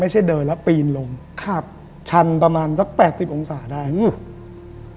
เดินแล้วปีนลงครับชันประมาณสักแปดสิบองศาได้อืม